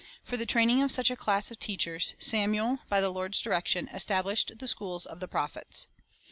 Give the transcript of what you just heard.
For the training of such a class of teachers, Samuel, by the Lord's direction, established the schools of the prophets.